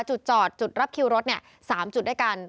จุดจอดจุดรับคิวรถ๓จุดด้วยกัน